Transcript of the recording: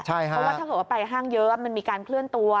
เพราะว่าถ้าเกิดว่าไปห้างเยอะมันมีการเคลื่อนตัว